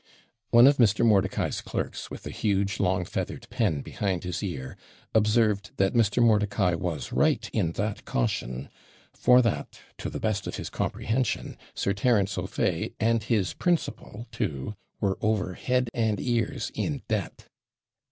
One of Mr. Mordicai's clerks, with a huge long feathered pen behind his ear, observed that Mr. Mordicai was right in that caution, for that, to the best of his comprehension, Sir Terence O'Fay and his principal, too, were over head and ears in debt.